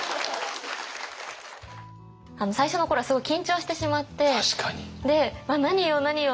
最初の頃はすごい緊張してしまってで「何言おう？何言おう？